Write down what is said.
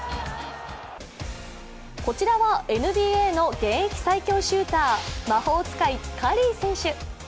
こちらは、ＮＢＡの現役最強シューター、魔法使い、カリー選手。